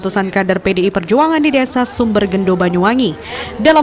untuk pemenangan pasangan gus ipul dan dirinya